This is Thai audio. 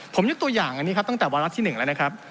ผมยกตัวอย่างอันนี้ครับตั้งแต่วาระที่๑แล้วนะครับ